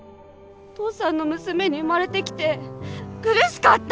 父さんの娘に生まれてきて苦しかった！